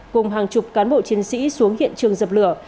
cùng hàng chục cán bộ chiến sĩ xuống hiện trường dập lửa